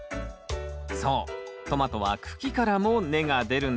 そうトマトは茎からも根が出るんです。